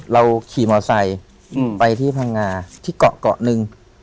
เราขี่มอไซค์ไปที่พังงาที่เกาะเกาะหนึ่ง